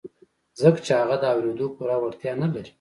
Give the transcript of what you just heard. ځکه چې هغه د اورېدو پوره وړتيا نه لري.